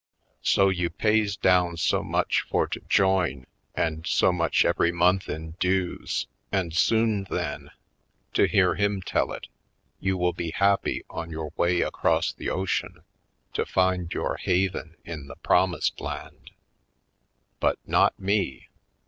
So you pays down so much for to join and so much every month in dues and soon then — to hear him tell it — ^you will be happy on your way across the ocean to find your haven in the Promised Land. But not me!